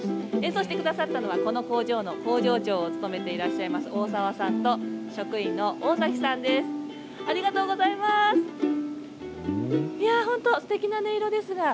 演奏してくださったのはこの工場の工場長を務めていらっしゃいます大澤さんと、職員の大崎さんです。